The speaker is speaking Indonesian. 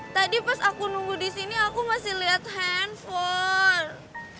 tadi pas aku nunggu disini aku masih liat handphone